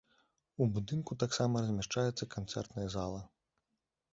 У будынку таксама размяшчаецца канцэртная зала.